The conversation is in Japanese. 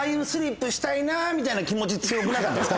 みたいな気持ち強くなかったですか？